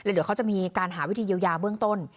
เดี๋ยวเขาจะมีการหาวิธีเยียวยาเบื้องต้น